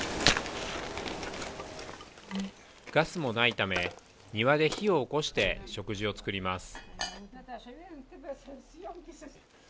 ガスもないため庭で火を起こして食事を作ります。